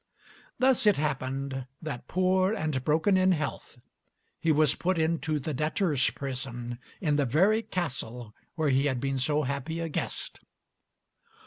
Thus it happened that, poor and broken in health, he was put into the debtor's prison in the very castle where he had been so happy a guest.